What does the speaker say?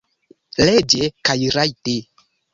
Leĝe kaj rajte.